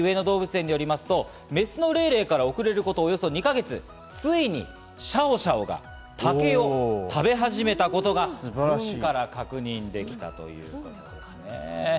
上野動物園によりますと、メスのレイレイから遅れることおよそ２か月、ついにシャオシャオが竹を食べ始めたことがフンから確認できたということです。